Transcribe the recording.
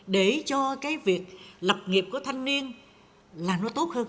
để cho cái việc lập nghiệp của thanh niên là nó tốt hơn